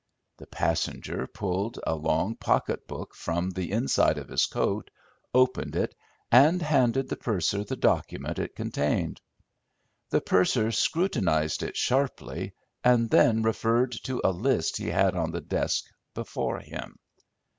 The passenger pulled a long pocket book from the inside of his coat, opened it, and handed the purser the document it contained. The purser scrutinized it sharply, and then referred to a list he had on the desk before him.